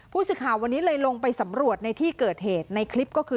ผู้สิทธิ์ข่าววันนี้เลยลงไปสำรวจในที่เกิดเหตุ